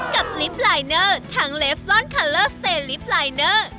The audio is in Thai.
ลิฟต์ลายเนอร์ทั้งเลฟลอนคัลเลอร์สเตลิฟต์ลายเนอร์